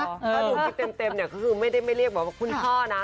ก็ดูรีบเต็มนี่ก็คือไม่ได้เรียกบอกว่าคุณพ่อนะ